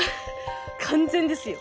完全ですよ。